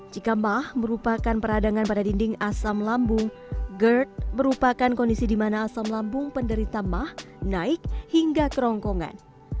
jika mah merupakan peradangan pada dinding asam lambung gerd merupakan kondisi di mana asam lambung penderita mah naik hingga kerongkongan